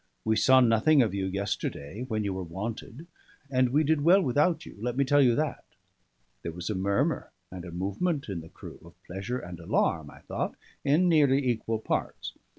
We saw nothing of you yesterday, when you were wanted; and we did well without you, let me tell you that." There was a murmur and a movement in the crew, of pleasure and alarm, I thought, in nearly equal parts.